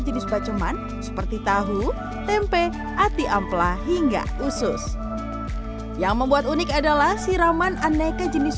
jenis baceman seperti tahu tempe ati ampla hingga usus yang membuat unik adalah siraman aneka jenis